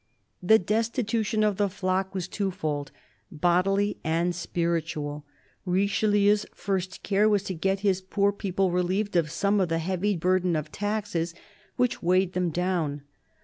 The destitution of the flock was twofold— bodily and spiritual. Richelieu's first care was to get his poor people relieved of some of the heavy burden of taxes which weighed them down.